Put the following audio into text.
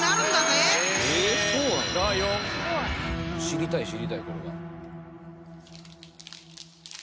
知りたい知りたいこれは。